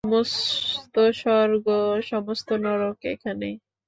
সমস্ত স্বর্গ এবং সমস্ত নরক এখানেই।